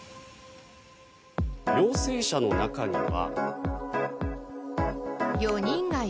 陽性者の中には。